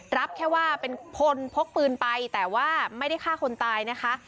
รับแค่ว่าเป็นคนพกปืนไปแต่ว่าไม่ได้ฆ่าคนตายนะคะ